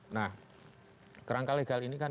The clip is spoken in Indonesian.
nah kerangka legal ini kan